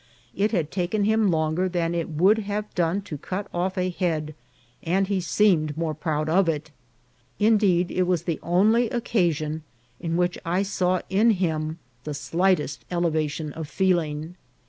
It had taken him longer than it would have done to cut off a head, and he seemed more proud of it. Indeed, it was the only occasion in which I saw in him the slightest elevation of feeling.